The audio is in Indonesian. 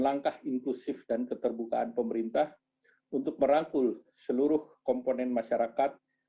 langkah inklusif dan keterbukaan pemerintah untuk merangkul seluruh komponen masyarakat